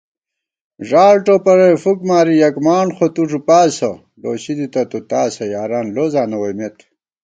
ݫاڑ ٹوپَلَئی فُکماری یَک مانڈ خوتُو ݫُپاسہ * لوشی دِتہ تُو تاسہ یاران لوزاں نہ ووئیمېت